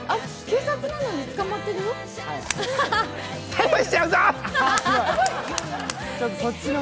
警察なのに捕まってるの？